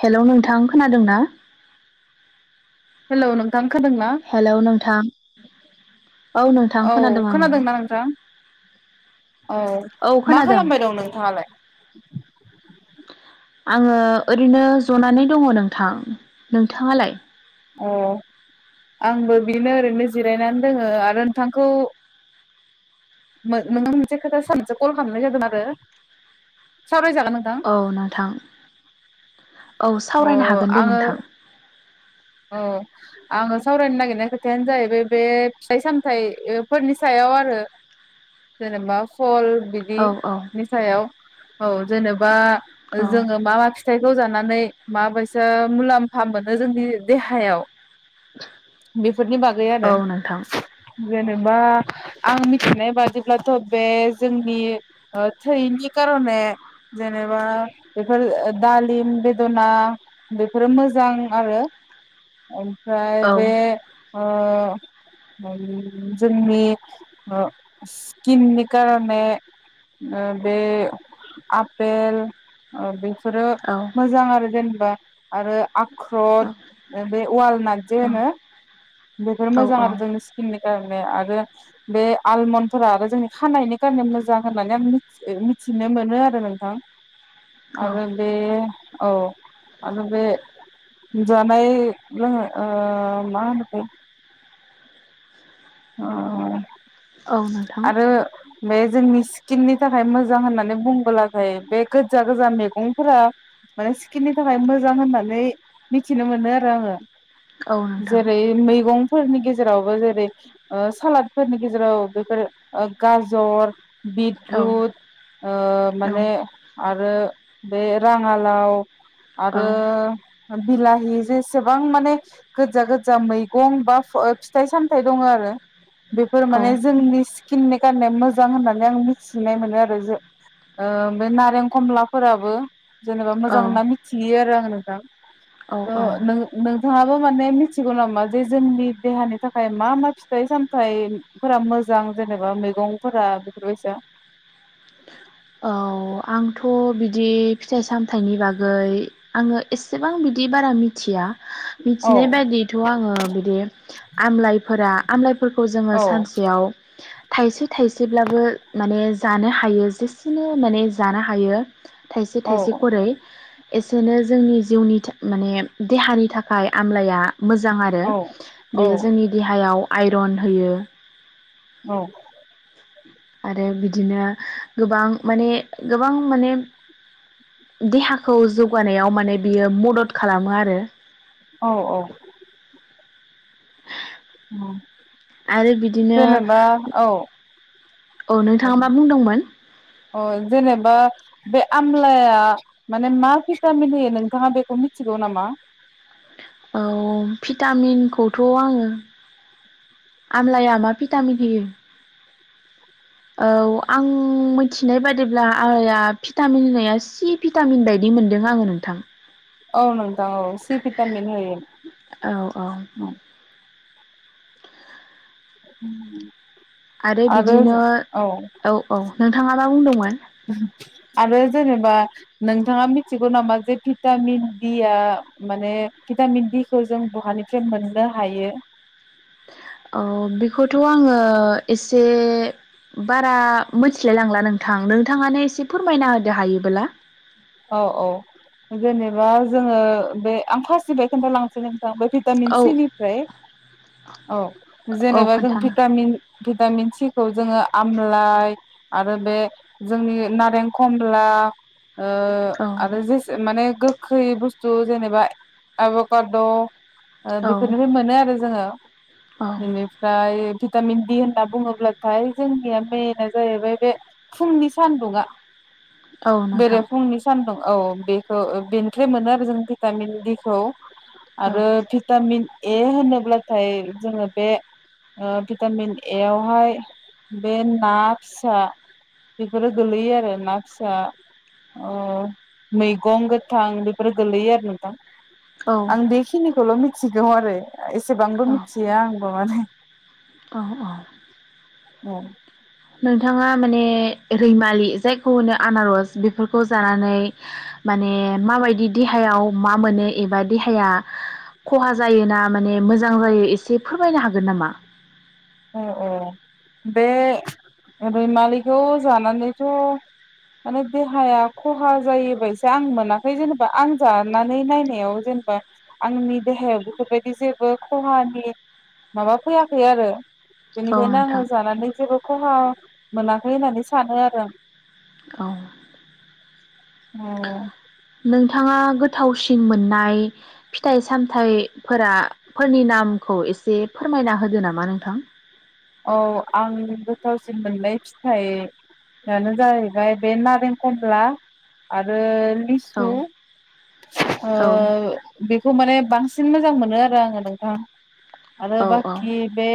hello नोंथां खोनादों ना हेलौ नोंथां खोनादों ना हेलौ नोंथां औ नोंथां औ आङो खोनादों ना नोंथां औ औ मा खोनादों खालामबाय दं नोंथाङालाय आङो ओरैनो जनानै दङ नोंथां नोंथाङालाय अ आंबो बेनो ओरैनो जिरायनानै दोङो आरो नोंथांखौ नोंनाव मोनसे खोथा सोंनोसो कल खालामनाय जादों आरो सावरायजागोन नोंथां औ नोंथां औ अ सावरायनो हागोन दे आङो नोंथां औ आङो सावरायनो नागिरनाय खोथायानो जाहैबाय बे फिथाइ सामथाइ फोरनि सायाव आरो जेनेबा फल औ औ बिदिनि सायाव औ जेनेबा औ जोङो मा मा फि थाइखौ जानानै माबैसा मुलाम्फा मोनो जोंनि देहायाव बेफोरनि बागै आरो औ नोंथां जेन बा आं मिथिनाय बादिब्लाथ' बे जोंनि थैनि कारने जेनेबा बेफोर दालिम बेदना बेफोरो मोजां आरो उम फ्राय औ बे ओ जोंनि ओ स्किननि कारने बे आपेल ओ बे फोरो औ मोजां आरो जेन बा आरो आख्र औ बे वाल नाग जे होनो बेफोर औ मोजां आरो जोंनि सकिननि आरो बे आलमनफोरा आरो जोंनि खानायनि खारने मोजां होननानै आं मिथिनो मोनो आरो नोंथां औ आरो दे औ आरो बे जा ओमफाय लोङो ओ मा होनो अ औ नोंथां बे जोंनि स्किननि थाखाय मोजां होननानै बुंबोलाथाय बे गोजा गोजा मैगंफोरा माने स्किननि थाखाय मोजां होननानै मिथिनो मोनो आरो आङो औ नोंथां जेरै मैगं फोरनि गेजेरावबो जेरै ओ सालादफोरनि गेजेराव बेफोर गाजर औ बिटरुट ओ औ माने आरो बे राङालाव औ आरो बिलाहि जेसेबां माने गोजा गोजा मैगं बा फिथाइ सामथायाइ दङ आरो बेफोर औ माने जोंनि खिननाय खाननाया मोजां होननानै आं मिथिनाय मोनो आरो जो ओ बे नारें खमलाफोराबो जेनेबा मोजां औ ना मिथियो आरो आंनो दा औ ओ औ नों नोंथा माने मिथिगौ नामा जे जोंनि देहानि थाखाय मा मा फि फिथाइ सामथाइफोरा मोजां जेनेबा मैगंफोरा बेफोरबायसा औ आंथ' बिदि फिथाइ सामथाइनि बागै आङो एसेबां बिदि बारा मिथिया औ मिथिनाय बायदिथ' आङो बिदि आमलाइफोरा आमलाइ फोरखौ जोङो औ सानसेयाव थाइसे थाइसेब्लाबो माने जानो हायो जेसे बिसिनो माने जानो हायो थाइसे औ थाइसे खरै एसेनो जोंनि जिउनि माने देहानि थाखाय आमलाया मोजां आरो औ औ बेयो जोंनि देहायाव आइरन होयो औ आरो बिदिनो गोबां माने गोबां माने देहाखौ जौगानायाव माने बियो मदद खालामो आरो औ औ [inaudible] आरो [inaudible] बिदिनो जेनेबा औ औ नोंथाङा मा बुंदोंमोन औ अ जेनेबा बे आमलाया माने मा भिटामिन होयो नोंथाङा बेखौ मिथिगौ नामा औ भिटामिनखौथ' आङो आमलाया मा भिटामिन होयो औ आं मिथिनाय बादिब्ला आंया भिटामिन होननाया सि भिटामिन बायदि मोनदों आङो नोंथां औ नंग ौ सि फिटामिन होयो औ औ उ [unintelligible] आरो बिदिनो औ औ नोंथाङा मा बुंदोंमोन आरो जेनेबा नोंथाङा मिथिगौ नामा जे भिटामिन दिया माने भिटामिन दिखौ जों बहानिफ्राय मोननो हायो औ बेखौथ' आङो एसे बारा मिथिलाय लांला नोंथां नोंथाङानो एसे फोरमायना होदो हायोबोला औ औ जेनेबा जोङो बे आं फास्टनिफायनो खिन्थालांसै नो थां भिटामिन औ सि निफ्राय औ औ जेनेबा जों खोन्थानो भिटामिन भिटामिन सि जोङो आमलाइ आरो बे जोंनि नारें खमब्ला ओ औ आरो जेसे माने गो खै बुस्थु जेनेबा एबाकाद' औ बेफोरनिफ्राय मोनो आरो जोङो औ बेनिफ्राय भिटामिन दि होनना बुङोब्लाथाय जोंनिया मेइन जाहैबाय बे फुंनि स सानदुङा औ बेरे नोंथां फुंनि सानदुं औ बेखौ बेनिफ्राय मोनो आरो जों भिटामिन दि खौ औ आरो भिटामिन ए होनोब्लाथाय जोङो बे ओ भिटामिन ए आवहाय बे ना फिसा बेफोरो गोलैयो आरो ना फिसा ओ मैगं गोथां बेफोर गोलै आरो नोंथां औ आ बेखिनिखौल' मिन थिगौ आरो एसेबांबो औ मिथिया आं [unintelligible] औ औ औ नोंथाङा माने रैमालि जायखौ होनो आनारस बेफोरखौ जानानै माने माबायदि देहायाव मा मोनो एबा देहाया खहा जायो ना माने मोजां जायो एसे फोरमायनो हागोन नामा औ औ बे रैमालिखौ जानानैथ' माने देहाया खहा जायोबायसा आं मोनाखै जेनेबा आं जानानै नायनायाव जेनेबा आंनि देहायाव बेफोरबायदि जेबो खहानि माबा फैयाखै आरो औ बेनिखायनो आङो नोंथां जानानै जेबो खहा मोनाखै होननानै सानो आरो आं औ अ नोंथाङा गोथावसिन मोननाय फिथाइ सामथाइफोरा फोरनि नामखौ एसे फोरमायना होदो नामा नोंथां औ आं गोथावसिन मोननाय फिथाइआनो जाहैबाय बे नारें खमला आरो औ लिसु ओ औ बेखौ माने बांसिन मोजां मोनो आरो आङो नोंथां आरो औ औ बाखि बे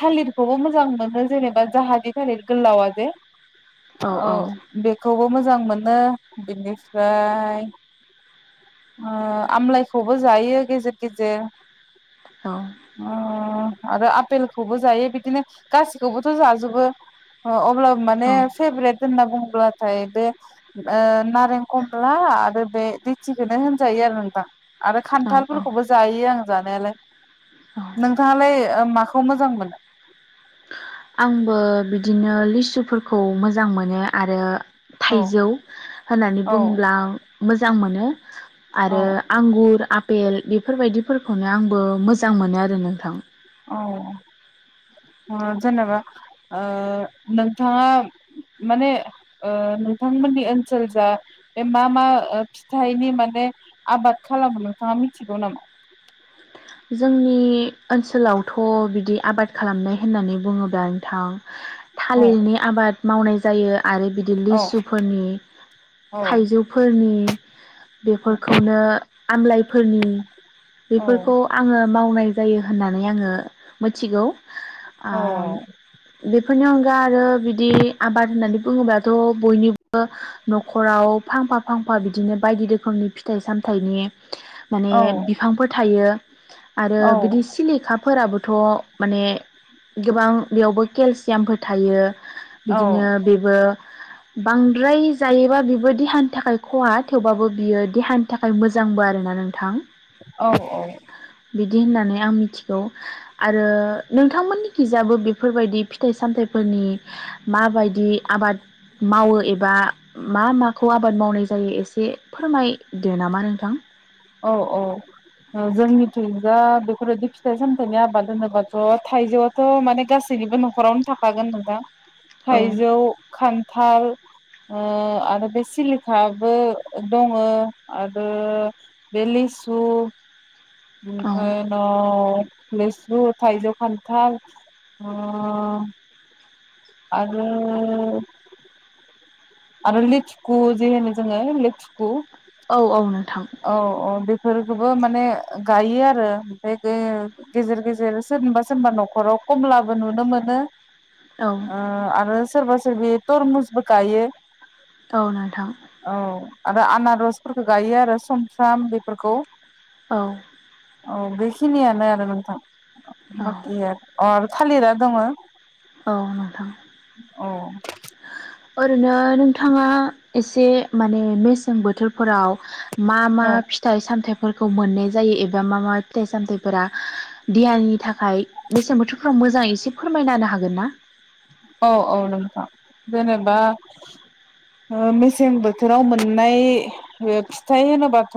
थालिर बेखौबो मोजां मोनो जेनेबा जाहानिनि थालिर गोलावा जे औ बेखौबो मोजां मोनो बेनिफ्राय ओ आमलाइखौबो जायो गेजेर गेजेर औ आरो आपेलखौबो जायो बिदिनो गासैखौबोथ' जाजोबो अब्लाबो माने फेभरेट होनना बुंब्लाथाय बे नारें खमला आरो बे लेथसिखौनो होनजायो आरो नोंथां आरो औ औ खान्थालफोरखौबो जायो आङो जानायालाय औ नोंथाङालाय ओ माखौ मोजां मोनो आंबो बिदिनो लिसुफोरखौ मोजां मोनो आरो औ थाइजौ होननानै औ बुङोब्ला मोजां मोजां मोनो आरो औ आंगुर बेल्ट बेफोरबायदिफोरखौनो आंबो मोजां मोनो आरो नोंथां औ जेनेबा ओ नोंथाङा माने ओ नोंथांमोननि ओनसोल जा बे मा मा फिथाइनि माने आबाद खालामो नोंथाङा मिथिगौ नामा जोंनि ओनसोलावथ' बिदि आबाद खालामनाय होननानै बुङोब्ला नोंथां औ थालिरनि आबाद मावनाय जायो आरो बिदि औ लिसुफोरनि औ थाइजौफोरनि बेफोरखौनो आमलाइफोरनि औ बेफोरखौ खौ आङो मावनाय जायो होननानै आङो मिथिगौ आ औ बेफोरनि अनगा आरो बिदि आबाद होननानै बुङोबाथ' बयनिबो न'खराव फांफा फांफा बिदिनो बायदि रोखोमनि फिथाइ सामथाइनि माने औ बिफांफोर थायो आरो बिदि सिलिखाफोराबो' थ' माने गोबां बेयावबो केलसियामफोर थायो औ बिदिनो बेबो बांद्राय जायोबा बिबो देहानि थाखाय खहा थेवबाबो बियो देहानि थाखाय मोजांबो आरोना नोंथां औ औ बिदि होननानै आं मिथिगौ आरो नोंथांमोननि गिजाबो बेफोरबायदि फिथाइ सामथाइफोरनि माबायदि आबाद मावो एबा मा माखौ आबाद मावनाय जायो एसे फोरमायदो नामा नोंथां औ औ जोंनिथिजा बेफोरदि फिथाइ सामथायाइनि आबाद होनोबाथ' थाइजौआथ' माने गासैनिबो न'खरावनो थाखागोन नोंथां औ थाइजौ खान थाल ओ आरो बे सिलिकाबो दङो आरो बे लेसु औ बेफ्राय न लेसु थाइजौ खान्थाल आरो आरो लेथुखु जे होनो जोङो लेुखु औ औ नो औ औ दे बेफोरखौबो माने गायो आरो ओमफ्राय गेजेर गेजेर सोरनिबा सोरनिबा न'खराव खमलाबो नुनो मोनो औ ओ आरो सोरबा बेयो थरमुसबो गायो ओ नोंथां औ आरो आनाररस फोरखौ गायो आरो सम [unintelligible] बेफोरखौ औ औ बेखिनियानो आरो नोंथां औ बाखिया अ थालिरा दङ औ नोंथां अ ओरैनो नोंथाङा एसे माने मेसें बोथोरफोराव मा मा औ फिथाइ सामथाय फोरखौ मोननाय जायो एबा मा मा फिथाइ सामथायाइफोरा देहानि थाखाय मेसें बोथोरफ्राव मोजाङै एसे फोरमायननो हागोन गोनना औ औ नोंथां जेनेबा मेसें ओ बोथोराव मोननाय फिथाइ होनोबाथ'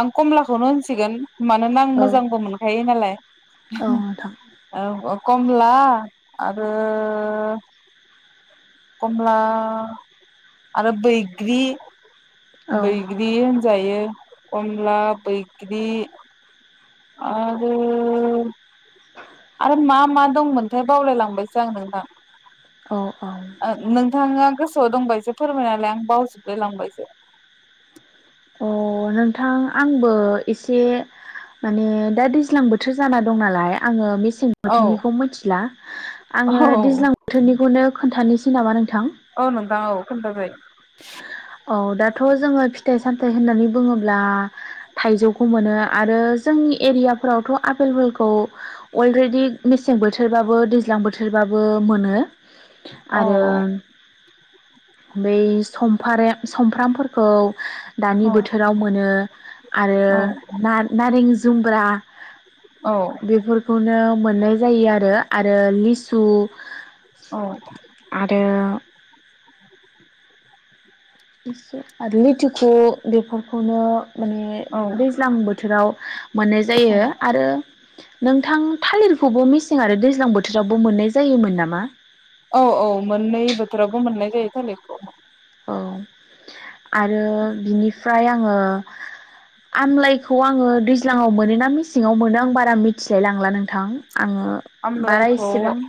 आं कमलाखौनो होनसिगोन मानोना आं औ मोजांबो मोनखायो नालाय औ नोंथां औ कमला आ आरो खमला आरो बैग्रि औ बैग्रि होनजायो कमला बैगि आरो आरो मा मा दंमोनथाय बावलायलांबायसो आं नोंथां औ औ आ नोंथांआ गोसोआव दंबायसो फोरमायना होलाय आं बावजोबलाय लांबायसो अ नोंथां आंबो एसे माने दा दैज्लां बोथोर जाना दं नालाय आङो मिस से औ बोथोरनिखौ मिथिला औ आङो दैज्लां बोथोरनिखौनो खोन्थ नामा नों औ नोंदा औ खोनथाबाय थ' जोङो फिथाइ सामथाय होननानै बुङोब्ला थाइजौखौ मोनो आरो जोंनि एरियाफ्रावथ' आपेलबोलखौ अलरेडि मेसें बोथोरबाबो दैज्लां बोथोरबाबो मोनो औ आरो बै समफारे समफ्रामफोरखौ दानि औ बो रावमोनो आरो औ ना नारें जुम ब्रा बेफोरखौनो मोननाय जायो आरो आरो लिसु औ आरो लिसु आरो लिथुखु बेफोरखौन' मानने औ दैज्लां बोथोराव मोननाय जायो आरो नोंथां थालिरखौबो मेसें आरो दैज्लां बोथोरावबो मोननाय जायोमोन नामा औ औ मोननै बोथोरावबो मोननाय जायो थालिरखौ औ आरो बिनिफा फाय आङो आमलाइखौ आङो दैज्लाङाव मोन ना मेसेङाव मोनो आं बारा मिथिलाय लांला नों थां आङो बारा आमलाइखौ इसेबां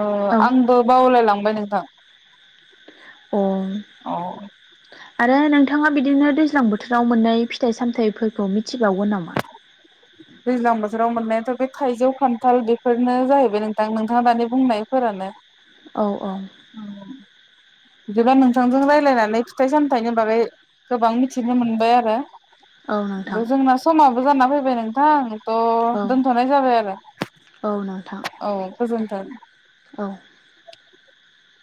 ओ आंबो बावलाय लांबाय नोंथां ओम औ आरो नोंथाङा बिदिनो दैज्लां बोथोराव मोननाय फिथाइ सामथाइफोरखौ मिथिबावगोन नामा दैज्लां बोथोराव मोन्नायाथ' बे थाइजौ खान्थाल बेफोरनो जाहैबाय नोंथां नोंथाङा दानि बुंनाय फोरानो औ औ बिदिबा नोंथांजों रायलायनानै फिथाइ सामथाइनि बागै गोबां मिथिनो मोनबाय आरो औ नोंथां बाय जोंना समाबो जाना फैबाय नों थां थ' औ दोनथ'नाय जाबाय आरो औ नोंथां औ गोजोन्थों औ